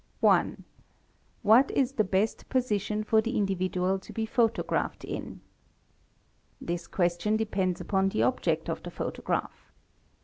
1. What is the best position for the individual to be photographed — in? This question depends upon the object of the photograph.